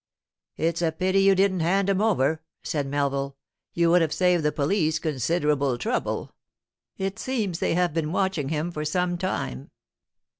'It's a pity you didn't hand him over,' said Melville. 'You would have saved the police considerable trouble. It seems they have been watching him for some time.